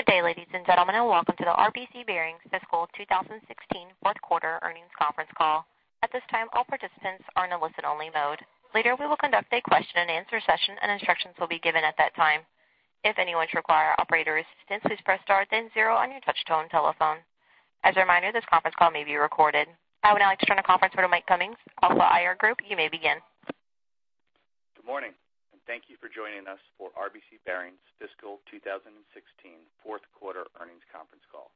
Good day, ladies and gentlemen, and welcome to the RBC Bearings Fiscal 2016 Fourth Quarter Earnings Conference Call. At this time, all participants are in a listen-only mode. Later, we will conduct a question-and-answer session, and instructions will be given at that time. If anyone should require operator assistance, please press star then zero on your touch-tone telephone. As a reminder, this conference call may be recorded. I will now turn the conference over to Mike Cummings. Alpha IR Group, you may begin. Good morning, and thank you for joining us for RBC Bearings Fiscal 2016 Fourth Quarter Earnings Conference Call.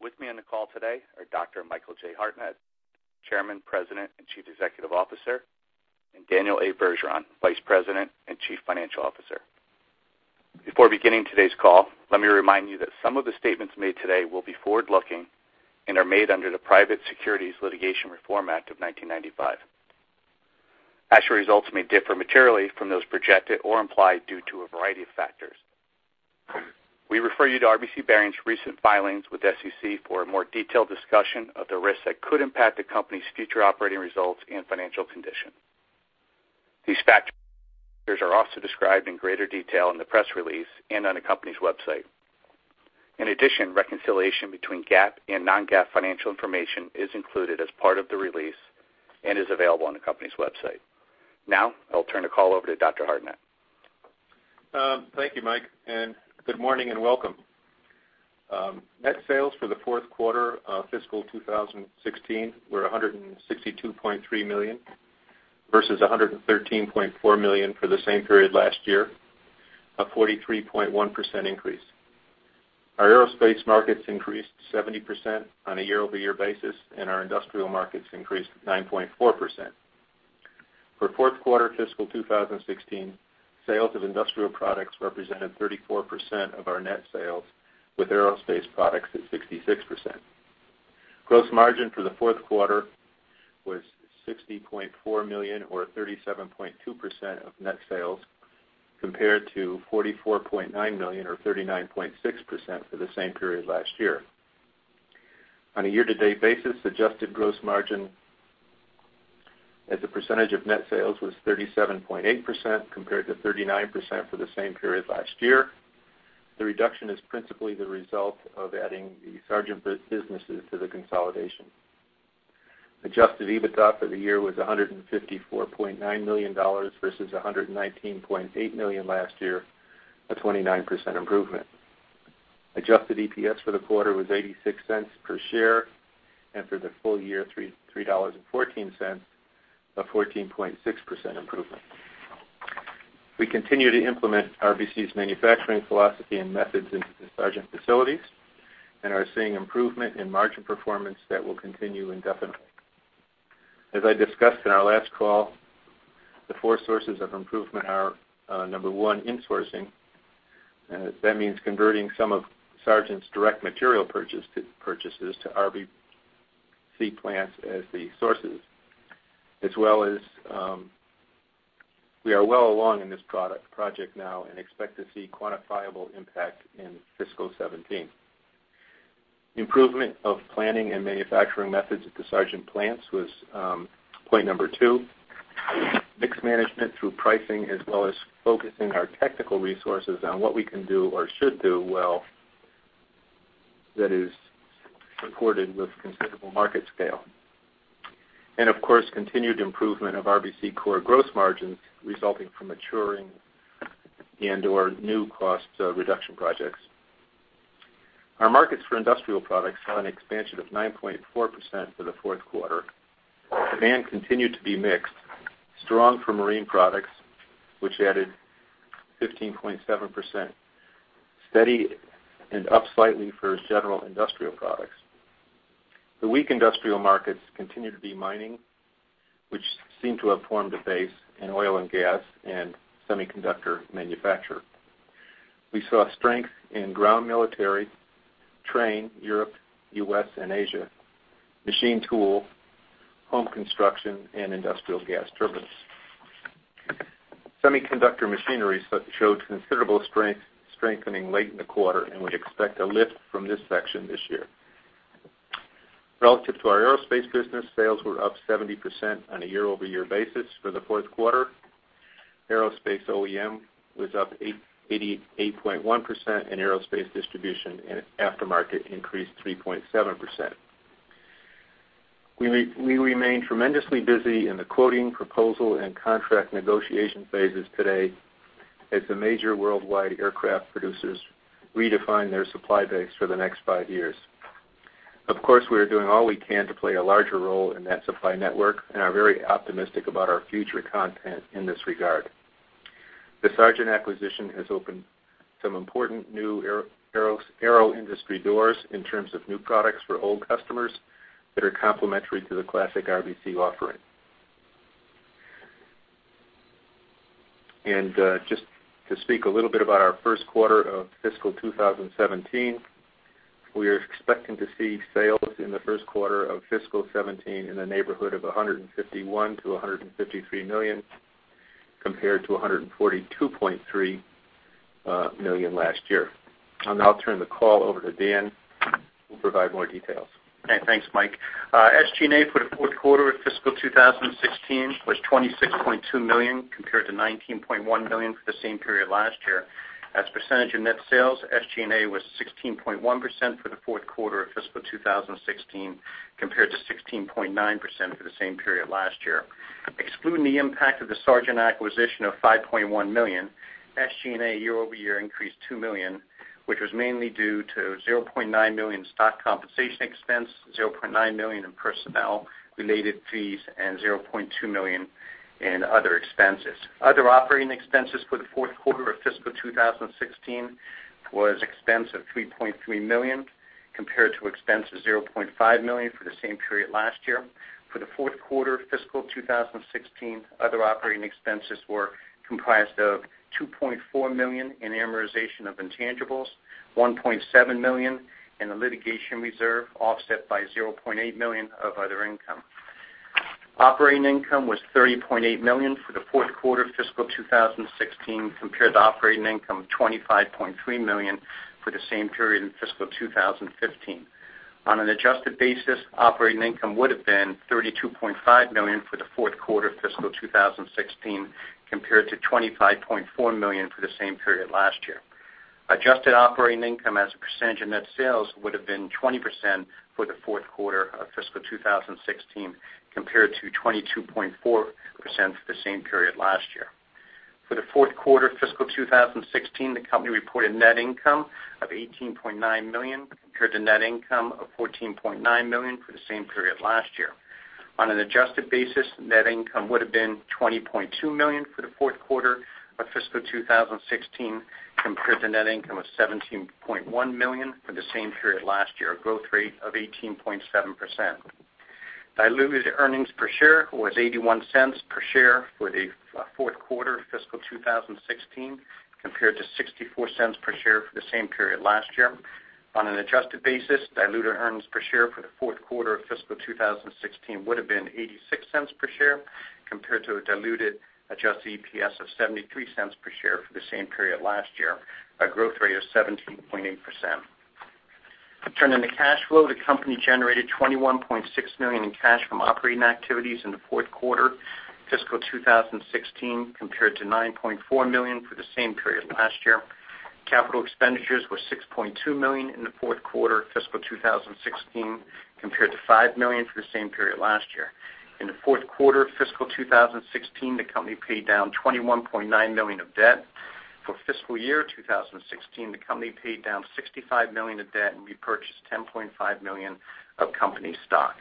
With me on the call today are Dr. Michael J. Hartnett, Chairman, President, and Chief Executive Officer, and Daniel A. Bergeron, Vice President and Chief Financial Officer. Before beginning today's call, let me remind you that some of the statements made today will be forward-looking and are made under the Private Securities Litigation Reform Act of 1995. Actual results may differ materially from those projected or implied due to a variety of factors. We refer you to RBC Bearings' recent filings with SEC for a more detailed discussion of the risks that could impact the company's future operating results and financial condition. These factors are also described in greater detail in the press release and on the company's website. In addition, reconciliation between GAAP and non-GAAP financial information is included as part of the release and is available on the company's website. Now, I'll turn the call over to Dr. Hartnett. Thank you, Mike, and good morning and welcome. Net sales for the fourth quarter, Fiscal 2016 were $162.3 million versus $113.4 million for the same period last year, a 43.1% increase. Our aerospace markets increased 70% on a year-over-year basis, and our industrial markets increased 9.4%. For fourth quarter Fiscal 2016, sales of industrial products represented 34% of our net sales, with aerospace products at 66%. Gross margin for the fourth quarter was $60.4 million or 37.2% of net sales, compared to $44.9 million or 39.6% for the same period last year. On a year-to-date basis, adjusted gross margin as a percentage of net sales was 37.8%, compared to 39% for the same period last year. The reduction is principally the result of adding the Sargent businesses to the consolidation. Adjusted EBITDA for the year was $154.9 million versus $119.8 million last year, a 29% improvement. Adjusted EPS for the quarter was $0.86 per share, and for the full year, $3.14, a 14.6% improvement. We continue to implement RBC's manufacturing philosophy and methods into the Sargent facilities and are seeing improvement in margin performance that will continue indefinitely. As I discussed in our last call, the four sources of improvement are, number one, insourcing. That means converting some of Sargent's direct material purchase to purchases to RBC plants as the sources, as well as, we are well along in this product project now and expect to see quantifiable impact in Fiscal 2017. Improvement of planning and manufacturing methods at the Sargent plants was, point number two. Risk management through pricing, as well as focusing our technical resources on what we can do or should do well that is supported with considerable market scale. Of course, continued improvement of RBC core gross margins resulting from maturing and/or new cost reduction projects. Our markets for industrial products saw an expansion of 9.4% for the fourth quarter. Demand continued to be mixed, strong for marine products, which added 15.7%, steady and up slightly for general industrial products. The weak industrial markets continued to be mining, which seemed to have formed a base in oil and gas and semiconductor manufacture. We saw strength in ground military, train, Europe, U.S., and Asia, machine tool, home construction, and industrial gas turbines. Semiconductor machinery so showed considerable strength strengthening late in the quarter, and we expect a lift from this section this year. Relative to our aerospace business, sales were up 70% on a year-over-year basis for the fourth quarter. Aerospace OEM was up 88.1%, and aerospace distribution in aftermarket increased 3.7%. We remain tremendously busy in the quoting, proposal, and contract negotiation phases today as the major worldwide aircraft producers redefine their supply base for the next five years. Of course, we are doing all we can to play a larger role in that supply network, and are very optimistic about our future content in this regard. The Sargent acquisition has opened some important new aero industry doors in terms of new products for old customers that are complementary to the classic RBC offering. Just to speak a little bit about our first quarter of Fiscal 2017, we are expecting to see sales in the first quarter of Fiscal 2017 in the neighborhood of $151 million-$153 million, compared to $142.3 million last year. I'll turn the call over to Dan, who provides more details. Okay, thanks, Mike. SG&A for the fourth quarter of Fiscal 2016 was $26.2 million, compared to $19.1 million for the same period last year. As percentage of net sales, SG&A was 16.1% for the fourth quarter of Fiscal 2016, compared to 16.9% for the same period last year. Excluding the impact of the Sargent acquisition of $5.1 million, SG&A year-over-year increased $2 million, which was mainly due to $0.9 million stock compensation expense, $0.9 million in personnel-related fees, and $0.2 million in other expenses. Other operating expenses for the fourth quarter of Fiscal 2016 was expense of $3.3 million, compared to expense of $0.5 million for the same period last year. For the fourth quarter of Fiscal 2016, other operating expenses were comprised of $2.4 million in amortization of intangibles, $1.7 million in the litigation reserve offset by $0.8 million of other income. Operating income was $30.8 million for the fourth quarter of Fiscal 2016, compared to operating income of $25.3 million for the same period in Fiscal 2015. On an adjusted basis, operating income would have been $32.5 million for the fourth quarter of Fiscal 2016, compared to $25.4 million for the same period last year. Adjusted operating income as a percentage of net sales would have been 20% for the fourth quarter of Fiscal 2016, compared to 22.4% for the same period last year. For the fourth quarter of Fiscal 2016, the company reported net income of $18.9 million, compared to net income of $14.9 million for the same period last year. On an adjusted basis, net income would have been $20.2 million for the fourth quarter of Fiscal 2016, compared to net income of $17.1 million for the same period last year, a growth rate of 18.7%. Diluted earnings per share was $0.81 per share for the fourth quarter of Fiscal 2016, compared to $0.64 per share for the same period last year. On an adjusted basis, diluted earnings per share for the fourth quarter of Fiscal 2016 would have been $0.86 per share, compared to a diluted adjusted EPS of $0.73 per share for the same period last year, a growth rate of 17.8%. Turning to cash flow, the company generated $21.6 million in cash from operating activities in the fourth quarter of Fiscal 2016, compared to $9.4 million for the same period last year. Capital expenditures were $6.2 million in the fourth quarter of Fiscal 2016, compared to $5 million for the same period last year. In the fourth quarter of Fiscal 2016, the company paid down $21.9 million of debt. For fiscal year 2016, the company paid down $65 million of debt and repurchased $10.5 million of company stock.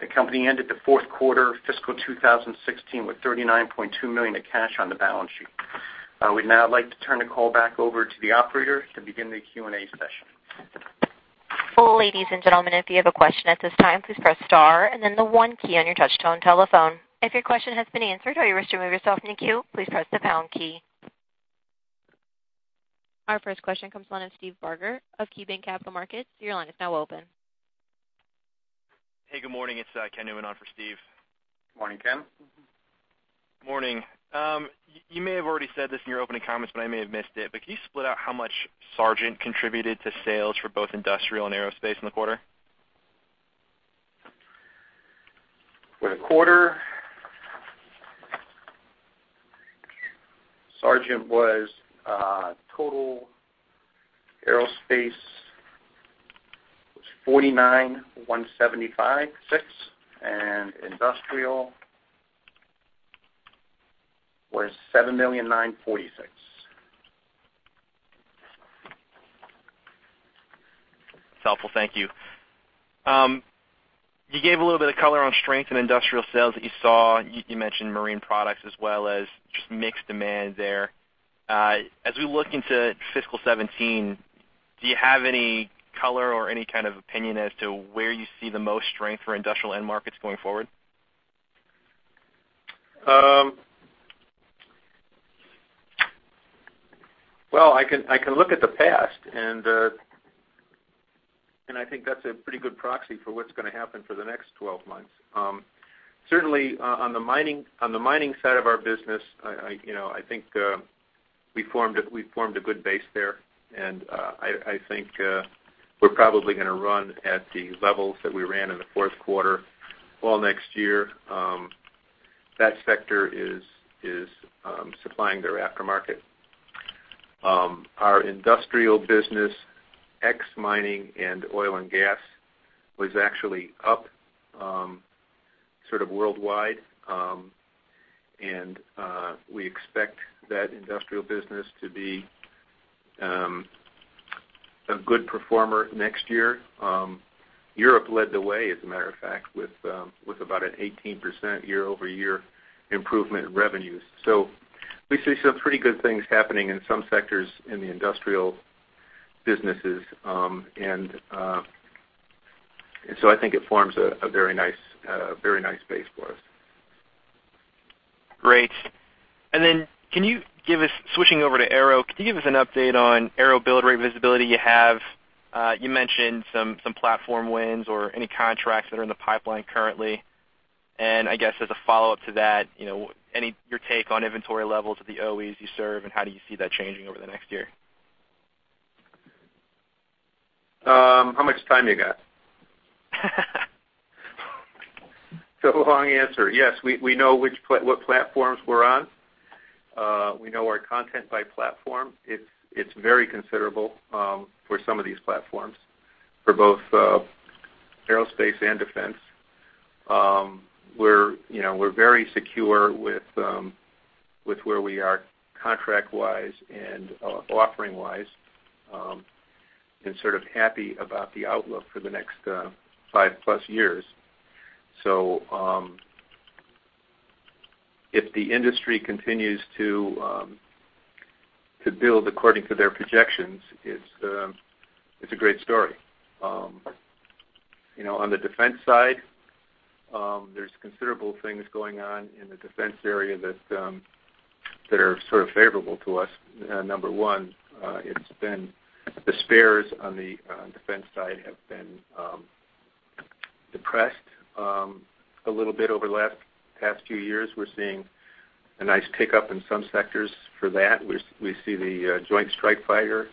The company ended the fourth quarter of fiscal 2016 with $39.2 million of cash on the balance sheet. We'd now like to turn the call back over to the operator to begin the Q&A session. Well, ladies and gentlemen, if you have a question at this time, please press star, and then the one key on your touch-tone telephone. If your question has been answered or you wish to move yourself into queue, please press the pound key. Our first question comes along with Steve Barger of KeyBanc Capital Markets. Your line is now open. Hey, good morning. It's Ken Newman on for Steve. Morning, Ken. Morning. You may have already said this in your opening comments, but I may have missed it. Can you split out how much Sargent contributed to sales for both industrial and aerospace in the quarter? For the quarter, Sargent was, total aerospace was $49,175.6, and industrial was $7,946. That's helpful. Thank you. You gave a little bit of color on strength in industrial sales that you saw. You mentioned marine products as well as just mixed demand there. As we look into Fiscal 2017, do you have any color or any kind of opinion as to where you see the most strength for industrial end markets going forward? Well, I can look at the past, and I think that's a pretty good proxy for what's gonna happen for the next 12 months. Certainly, on the mining side of our business, you know, I think we formed a good base there, and I think we're probably gonna run at the levels that we ran in the fourth quarter all next year. That sector is supplying their aftermarket. Our industrial business, ex-mining and oil and gas, was actually up, sort of worldwide. We expect that industrial business to be a good performer next year. Europe led the way, as a matter of fact, with about an 18% year-over-year improvement in revenues. We see some pretty good things happening in some sectors in the industrial businesses, and so I think it forms a very nice very nice base for us. Great. And then, switching over to aero, can you give us an update on aero build rate visibility you have? You mentioned some, some platform wins or any contracts that are in the pipeline currently. And I guess as a follow-up to that, you know, what's your take on inventory levels of the OEs you serve, and how do you see that changing over the next year? How much time you got? So, long answer. Yes, we know which platforms we're on. We know our content by platform. It's very considerable for some of these platforms, for both aerospace and defense. We're, you know, we're very secure with where we are contract-wise and offering-wise, and sort of happy about the outlook for the next 5+ years. So, if the industry continues to build according to their projections, it's a great story. You know, on the defense side, there's considerable things going on in the defense area that are sort of favorable to us. Number one, it's been the spares on the defense side have been depressed a little bit over the past few years. We're seeing a nice pickup in some sectors for that. We see the Joint Strike Fighter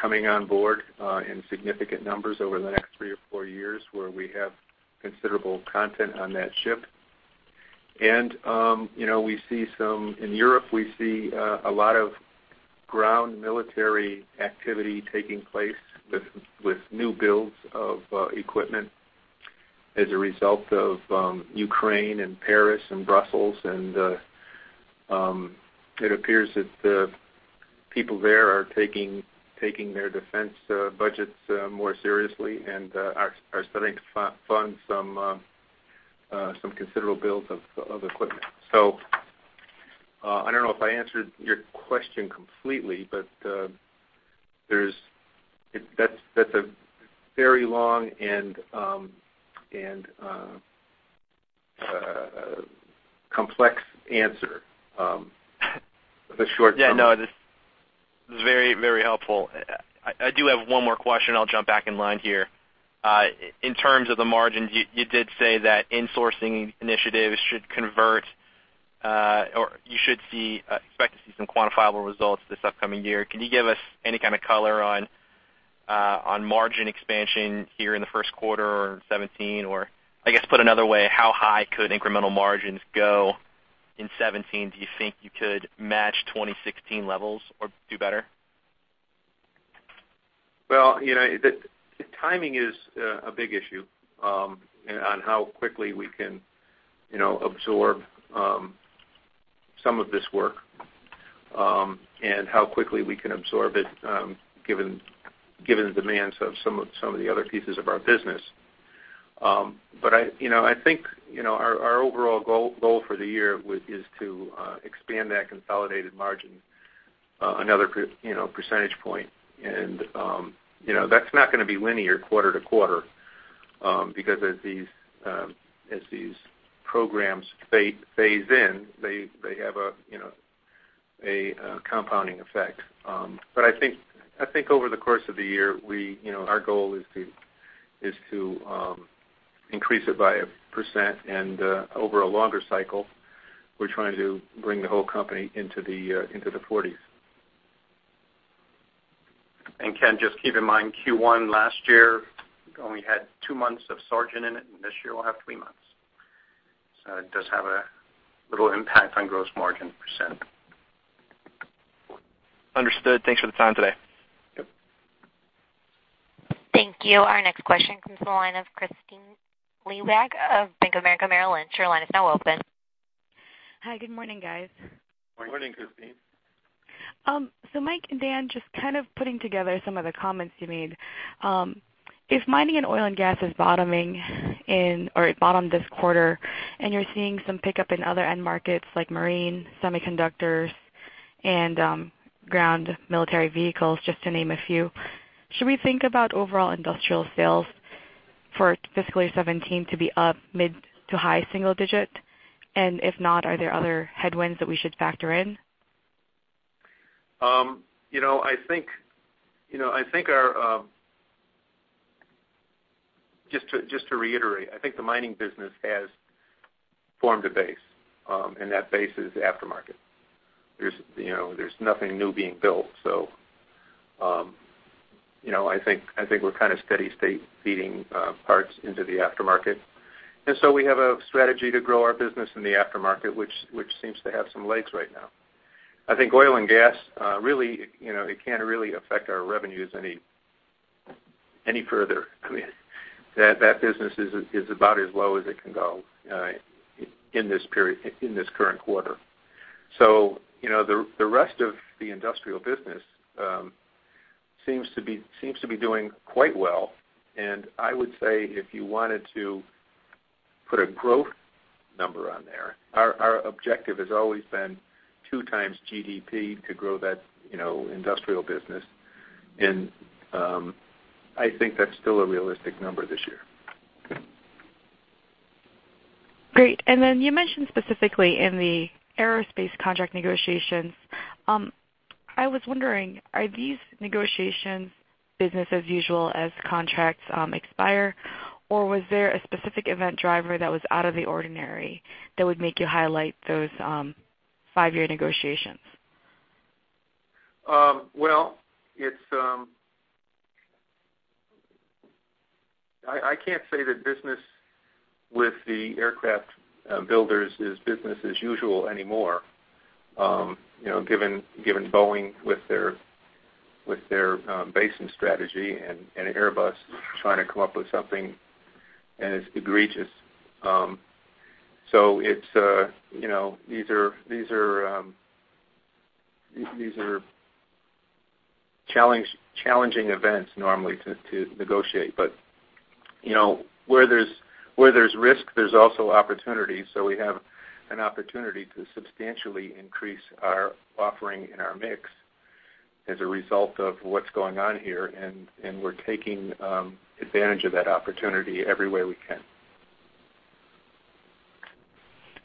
coming on board in significant numbers over the next three or four years, where we have considerable content on that ship. And you know, we see some in Europe, we see a lot of ground military activity taking place with new builds of equipment as a result of Ukraine and Paris and Brussels. And it appears that the people there are taking their defense budgets more seriously and are starting to fund some considerable builds of equipment. So, I don't know if I answered your question completely, but that's a very long and complex answer with a short summary. Yeah, no, this is very, very helpful. I do have one more question, and I'll jump back in line here. In terms of the margins, you did say that insourcing initiatives should convert, or you should see, expect to see some quantifiable results this upcoming year. Can you give us any kind of color on margin expansion here in the first quarter or 2017, or I guess put another way, how high could incremental margins go in 2017? Do you think you could match 2016 levels or do better? Well, you know, the timing is a big issue on how quickly we can absorb some of this work, and how quickly we can absorb it, given the demands of some of the other pieces of our business. I think our overall goal for the year is to expand that consolidated margin another percentage point. You know, that's not gonna be linear quarter to quarter, because as these programs phase in, they have a compounding effect. I think over the course of the year, our goal is to increase it by 1%. Over a longer cycle, we're trying to bring the whole company into the 40s. Ken, just keep in mind, Q1 last year only had two months of Sargent in it, and this year we'll have three months. So it does have a little impact on gross margin %. Understood. Thanks for the time today. Yep. Thank you. Our next question comes along with Kristine Liwag of Bank of America Merrill Lynch. Your line is now open. Hi, good morning, guys. Morning, Christine. Mike and Dan, just kind of putting together some of the comments you made. If mining and oil and gas is bottoming in or it bottomed this quarter, and you're seeing some pickup in other end markets like marine, semiconductors, and ground military vehicles, just to name a few, should we think about overall industrial sales for fiscal year 2017 to be up mid- to high-single-digit? And if not, are there other headwinds that we should factor in? The mining business has formed a base, and that base is aftermarket. There's, you know, there's nothing new being built. So, you know, I think we're kind of steady state feeding parts into the aftermarket. And so we have a strategy to grow our business in the aftermarket, which seems to have some legs right now. I think oil and gas, really, you know, it can't really affect our revenues any further. I mean, that business is about as low as it can go in this period in this current quarter. So, you know, the rest of the industrial business seems to be doing quite well. I would say if you wanted to put a growth number on there, our objective has always been 2x GDP to grow that, you know, industrial business. I think that's still a realistic number this year. Great. And then you mentioned specifically in the aerospace contract negotiations, I was wondering, are these negotiations business as usual as contracts expire, or was there a specific event driver that was out of the ordinary that would make you highlight those five-year negotiations? Well, I can't say that business with the aircraft builders is business as usual anymore, you know, given Boeing with their sourcing strategy and Airbus trying to come up with something, and it's egregious. So it's, you know, these are challenging events normally to negotiate. But, you know, where there's risk, there's also opportunity. So we have an opportunity to substantially increase our offering in our mix as a result of what's going on here. And we're taking advantage of that opportunity every way we can.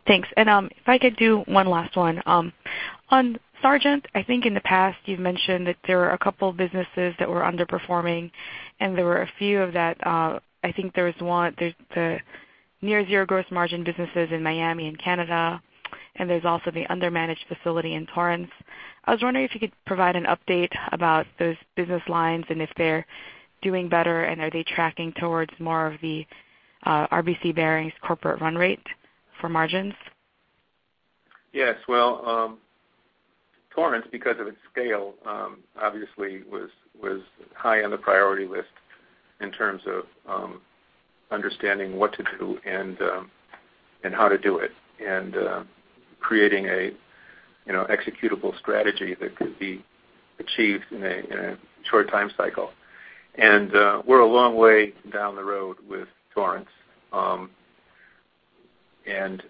Thanks. And if I could do one last one on Sargent. I think in the past, you've mentioned that there were a couple of businesses that were underperforming, and there were a few of that. I think there was one. There's the near-zero gross margin businesses in Miami and Canada, and there's also the undermanaged facility in Torrance. I was wondering if you could provide an update about those business lines and if they're doing better, and are they tracking towards more of the RBC Bearings corporate run rate for margins? Yes. Well, Torrance, because of its scale, obviously was high on the priority list in terms of understanding what to do and how to do it and creating a, you know, executable strategy that could be achieved in a short time cycle. And we're a long way down the road with Torrance, and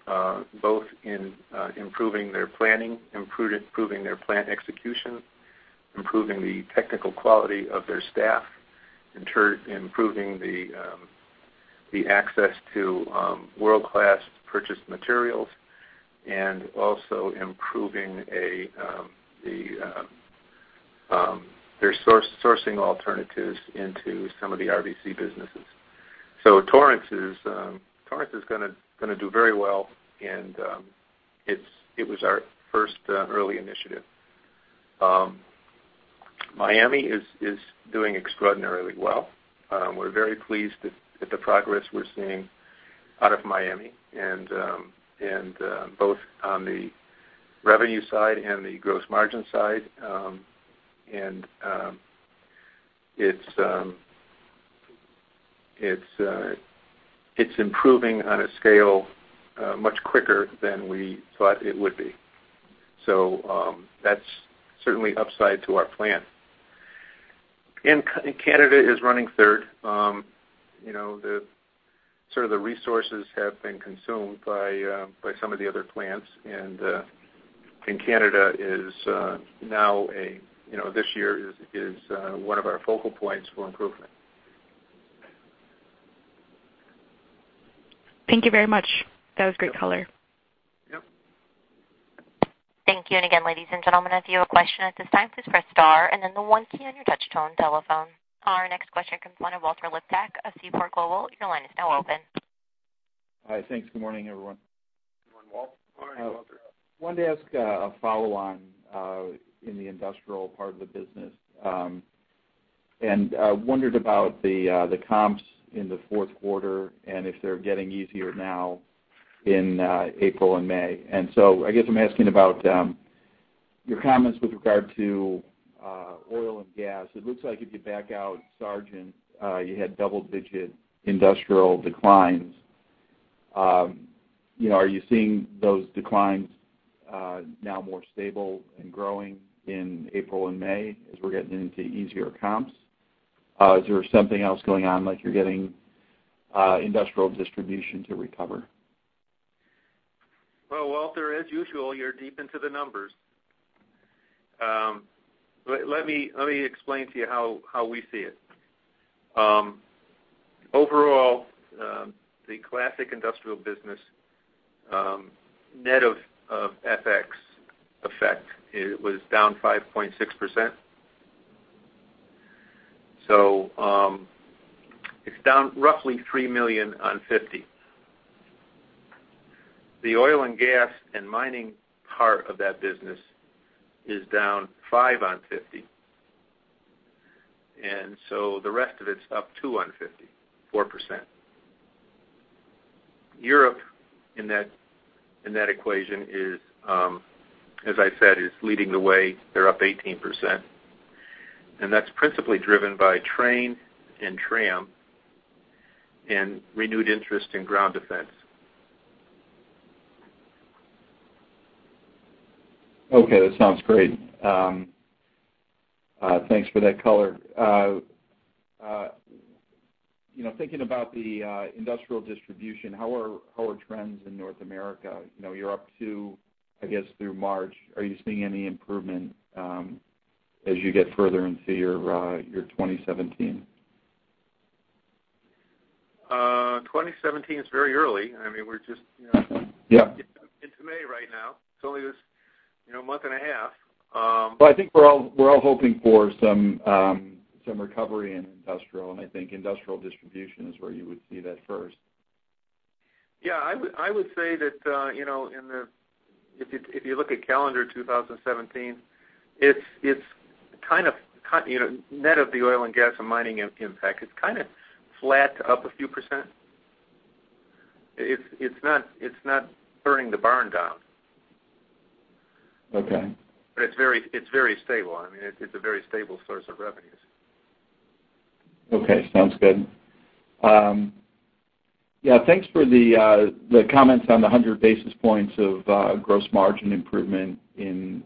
both in improving their planning, improving their plan execution, improving the technical quality of their staff, and improving the access to world-class purchased materials, and also improving their sourcing alternatives into some of the RBC businesses. Torrance is gonna do very well, and it was our first early initiative. Miami is doing extraordinarily well. We're very pleased at the progress we're seeing out of Miami and both on the revenue side and the gross margin side. And, it's improving on a scale much quicker than we thought it would be. So, that's certainly upside to our plan. In Canada is running third. You know, the sort of the resources have been consumed by some of the other plants. And Canada is now, you know, this year is one of our focal points for improvement. Thank you very much. That was great color. Yep. Thank you. Again, ladies and gentlemen, if you have a question at this time, please press star, then the one key on your touch-tone telephone. Our next question comes along with Walter Liptak of Seaport Global. Your line is now open. Hi. Thanks. Good morning, everyone. Good morning, Walter. wanted to ask a follow-on in the industrial part of the business and wondered about the comps in the fourth quarter and if they're getting easier now in April and May. And so I guess I'm asking about your comments with regard to oil and gas. It looks like if you back out Sargent, you had double-digit industrial declines. You know, are you seeing those declines now more stable and growing in April and May as we're getting into easier comps? Is there something else going on, like you're getting industrial distribution to recover? Well, Walter, as usual, you're deep into the numbers. Let me explain to you how we see it. Overall, the classic industrial business, net of FX effect, it was down 5.6%. So, it's down roughly $3 million on $50 million. The oil and gas and mining part of that business is down $5 million on $50 million. And so the rest of it's up $2 million on $50 million, 4%. Europe, in that equation, is, as I said, leading the way. They're up 18%. And that's principally driven by train and tram and renewed interest in ground defense. Okay. That sounds great. Thanks for that color. You know, thinking about the industrial distribution, how are how are trends in North America? You know, you're up 2, I guess, through March. Are you seeing any improvement, as you get further into your, your 2017? 2017's very early. I mean, we're just, you know. Yeah. Into May right now. It's only this, you know, month and a half. Well, I think we're all hoping for some recovery in industrial. I think industrial distribution is where you would see that first. Yeah. I would say that, you know, in the, if you look at calendar 2017, it's kind of, you know, net of the oil and gas and mining impact, it's kind of flat up a few percent. It's not burning the barn down. Okay. But it's very stable. I mean, it's a very stable source of revenues. Okay. Sounds good. Yeah, thanks for the comments on the 100 basis points of gross margin improvement in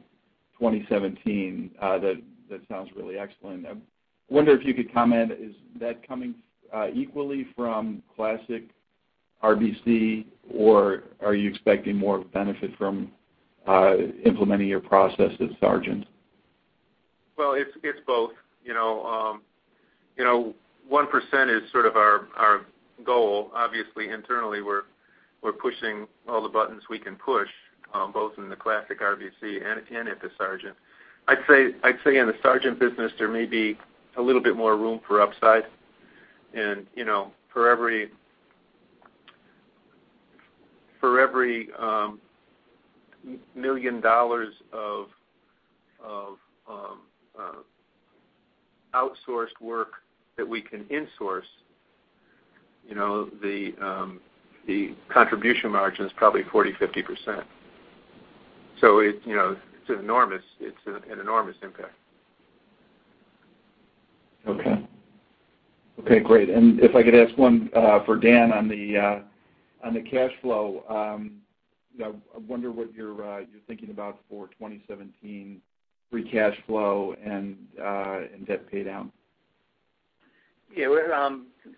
2017. That sounds really excellent. I wonder if you could comment, is that coming equally from classic RBC, or are you expecting more benefit from implementing your process at Sargent? Well, it's both. You know, 1% is sort of our goal. Obviously, internally, we're pushing all the buttons we can push, both in the classic RBC and at the Sargent. I'd say in the Sargent business, there may be a little bit more room for upside. And, you know, for every $1 million of outsourced work that we can insource, you know, the contribution margin's probably 40%-50%. So it, you know, it's enormous. It's an enormous impact. Okay. Okay. Great. And if I could ask one for Dan on the cash flow, you know, I wonder what you're thinking about for 2017 free cash flow and debt paydown? Yeah. We're,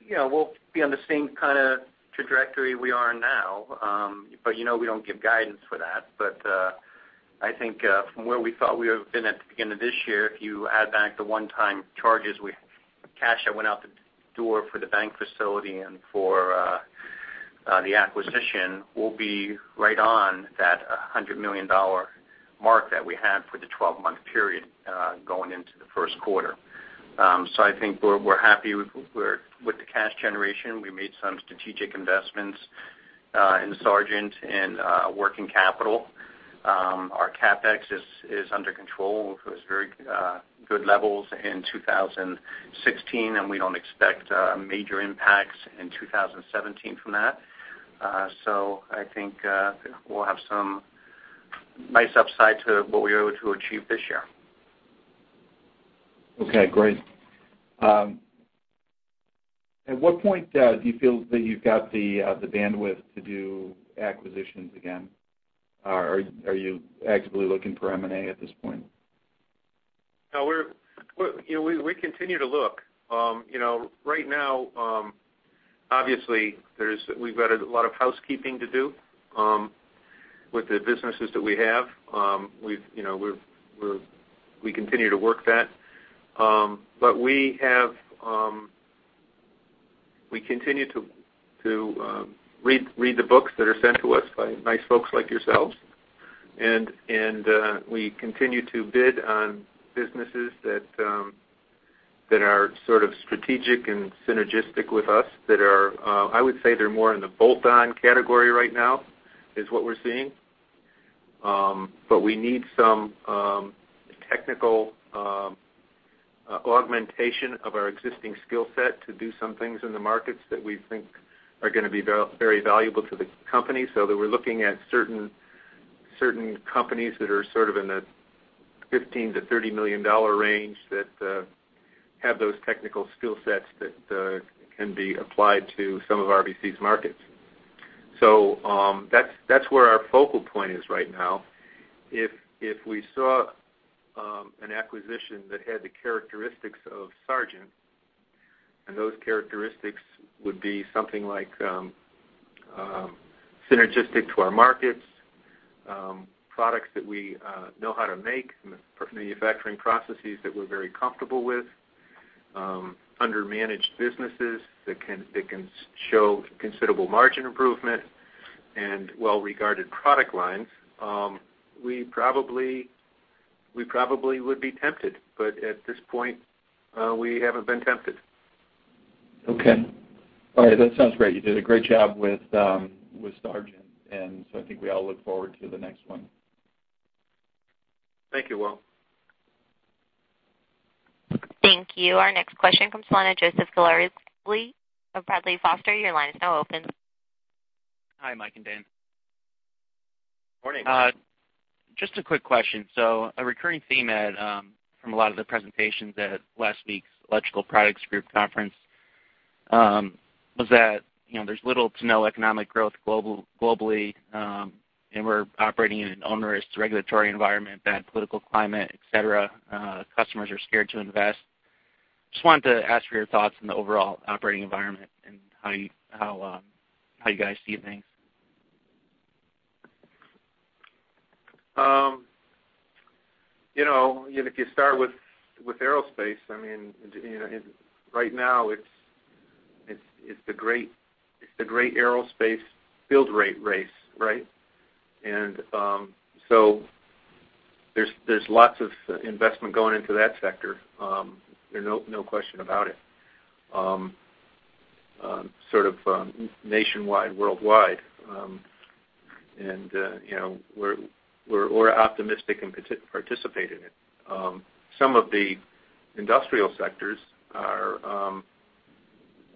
you know, we'll be on the same kind of trajectory we are now, but you know we don't give guidance for that. But, I think, from where we thought we had been at the beginning of this year, if you add back the one-time charges we cash that went out the door for the bank facility and for the acquisition, we'll be right on that $100 million mark that we had for the 12-month period, going into the first quarter. We're, we're happy with we're with the cash generation. We made some strategic investments in Sargent and working capital. Our CapEx is under control. It was very good levels in 2016, and we don't expect major impacts in 2017 from that. So I think we'll have some nice upside to what we were able to achieve this year. Okay. Great. At what point do you feel that you've got the bandwidth to do acquisitions again? Are you actively looking for M&A at this point? No. We're, you know, we continue to look. You know, right now, obviously, we've got a lot of housekeeping to do with the businesses that we have. We've, you know, we continue to work that. But we have, we continue to read the books that are sent to us by nice folks like yourselves. And we continue to bid on businesses that are sort of strategic and synergistic with us that are, I would say, they're more in the bolt-on category right now is what we're seeing. But we need some technical augmentation of our existing skill set to do some things in the markets that we think are gonna be very, very valuable to the company. So that we're looking at certain companies that are sort of in the $15 million-$30 million range that have those technical skill sets that can be applied to some of RBC's markets. So, that's where our focal point is right now. If we saw an acquisition that had the characteristics of Sargent, and those characteristics would be something like synergistic to our markets, products that we know how to make, manufacturing processes that we're very comfortable with, undermanaged businesses that can show considerable margin improvement, and well-regarded product lines, we probably would be tempted. But at this point, we haven't been tempted. Okay. All right. That sounds great. You did a great job with, with Sargent. And so I think we all look forward to the next one. Thank you, Walter. Thank you. Our next question comes along with Joseph Gallary of Bradley, Foster & Sargent. Your line is now open. Hi, Mike and Dan. Morning, Mike. Just a quick question. So a recurring theme at, from a lot of the presentations at last week's Electrical Products Group conference, was that, you know, there's little to no economic growth global, globally, and we're operating in an onerous regulatory environment, bad political climate, etc. Customers are scared to invest. Just wanted to ask for your thoughts on the overall operating environment and how you, how you guys see things. You know, if you start with aerospace, I mean, you know, it right now, it's the great aerospace build rate race, right? And so there's lots of investment going into that sector. There are no question about it, sort of nationwide, worldwide. And you know, we're optimistic and participate in it. Some of the industrial sectors are,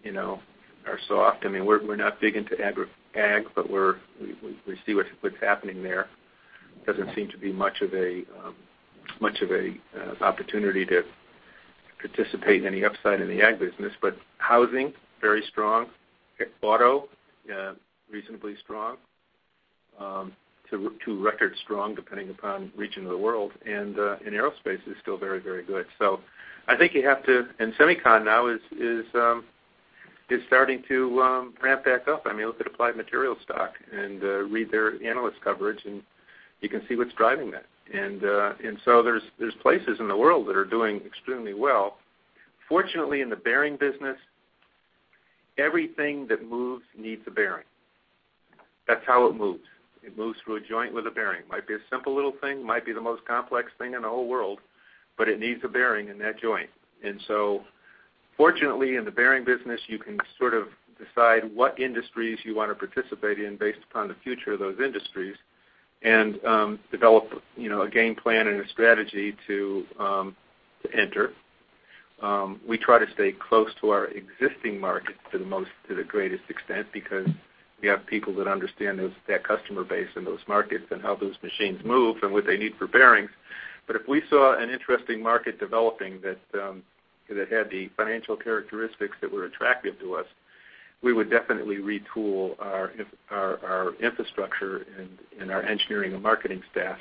you know, are soft. I mean, we're not big into ag, but we see what's happening there. Doesn't seem to be much of an opportunity to participate in any upside in the ag business. But housing, very strong. Auto, reasonably strong. To record strong depending upon region of the world. And in aerospace, it's still very, very good. So I think you have to and semiconductor now is starting to ramp back up. I mean, look at Applied Materials stock and read their analyst coverage, and you can see what's driving that. And so there's places in the world that are doing extremely well. Fortunately, in the bearing business, everything that moves needs a bearing. That's how it moves. It moves through a joint with a bearing. Might be a simple little thing. Might be the most complex thing in the whole world, but it needs a bearing in that joint. And so fortunately, in the bearing business, you can sort of decide what industries you wanna participate in based upon the future of those industries and develop, you know, a game plan and a strategy to enter. We try to stay close to our existing markets to the most to the greatest extent because we have people that understand those, that customer base in those markets and how those machines move and what they need for bearings. But if we saw an interesting market developing that had the financial characteristics that were attractive to us, we would definitely retool our infrastructure and our engineering and marketing staff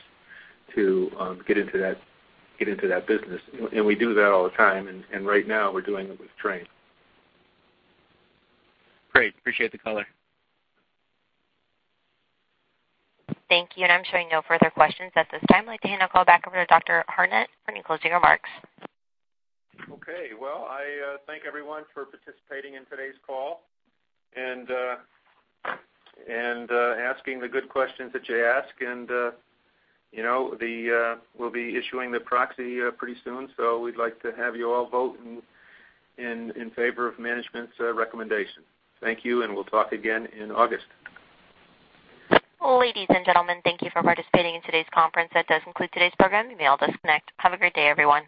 to get into that business. And we do that all the time. And right now, we're doing it with train. Great. Appreciate the color. Thank you. I'm showing no further questions at this time. I'd like to hand the call back over to Dr. Hartnett for any closing remarks. Okay. Well, I thank everyone for participating in today's call and asking the good questions that you ask. And, you know, we'll be issuing the proxy pretty soon. So we'd like to have you all vote in favor of management's recommendation. Thank you. And we'll talk again in August. Ladies and gentlemen, thank you for participating in today's conference. That does include today's program. You may all disconnect. Have a great day everyone.